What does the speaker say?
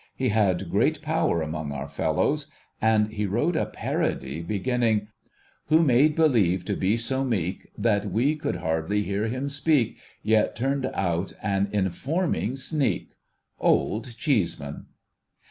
He had great power among our fellows, and he wrote a parody, beginning —' Who made believe to be so meek That we could hardly hear him speak, Vet turned out an Informing Sneak ? Old Cheeseman.'